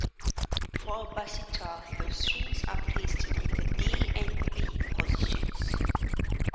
For a basitar, the strings are placed in the D and B positions.